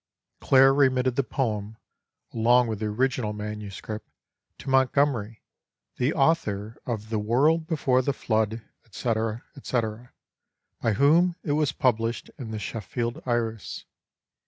Clare remitted the poem (along with the original MS.) to Montgomery, the author of The World before the Flood, &c. &c., by whom it was published in the Sheffield Iris.